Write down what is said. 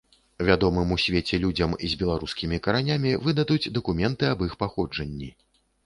Вядомым у свеце людзям з беларускімі каранямі выдадуць дакументы аб іх паходжанні.